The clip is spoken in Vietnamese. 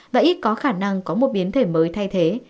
và ít có khả năng có một biến thể mới thay thế